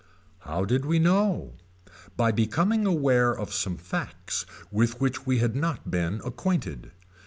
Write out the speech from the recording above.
How did we know. By becoming aware of some facts with which we had not been acquainted.